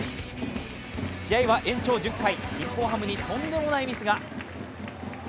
試合は延長１０回、日本ハムにとんでもないミスが。